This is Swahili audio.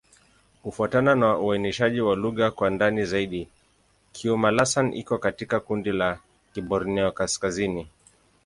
Kufuatana na uainishaji wa lugha kwa ndani zaidi, Kiuma'-Lasan iko katika kundi la Kiborneo-Kaskazini.